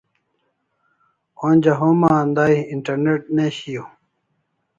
Onja homa andai internet ne shiau